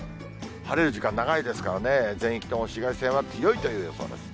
晴れる時間、長いですからね、全域とも紫外線は強いという予想です。